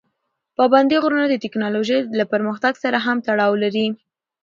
پابندي غرونه د تکنالوژۍ له پرمختګ سره هم تړاو لري.